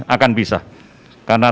akan bisa karena